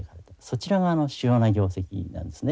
そちらが主要な業績なんですね。